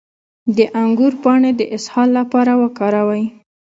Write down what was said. د انګور پاڼې د اسهال لپاره وکاروئ